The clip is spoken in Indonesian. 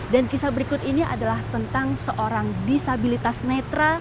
dan kisah berikut ini adalah tentang seorang disabilitas netra